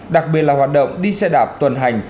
đặc biệt là hoạt động đi xe đạp tuần hành